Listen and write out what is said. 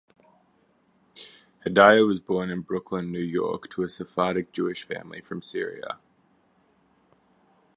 Hedaya was born in Brooklyn, New York, to a Sephardic Jewish family from Syria.